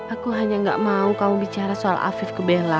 aku hanya gak mau kamu bicara soal afif ke bella